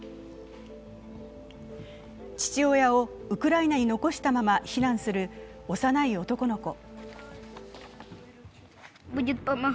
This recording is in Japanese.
父親をウクライナに残したまま避難する幼い男の子。